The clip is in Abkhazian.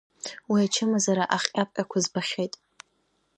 Уи ачымазара ахҟьаԥҟьақәа збахьеит.